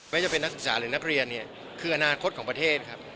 ว่าจะเป็นนักศึกษาหรือนักเรียนเนี่ยคืออนาคตของประเทศครับ